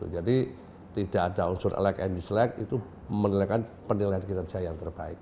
jadi tidak ada unsur elect and dislike itu menilai penilaian kinerja yang terbaik